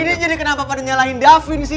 ini jadi kenapa pada nyalahin davin sih